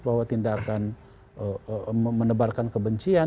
bahwa tindakan menebarkan kebencian